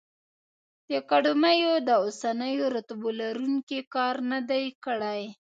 د اکاډمیو د اوسنیو رتبو لروونکي کار نه دی کړی.